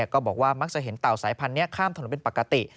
ก็บอกว่ามักจะเห็นเต่าสายพันธุ์นี้ข้ามถนนเป็นปกติ